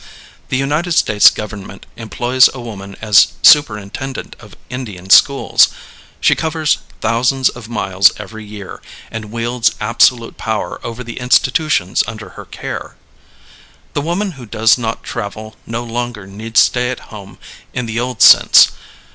The United States government employs a woman as Superintendent of Indian schools. She covers thousands of miles every year and wields absolute power over the institutions under her care. The woman who does not travel no longer need stay at home in the old sense.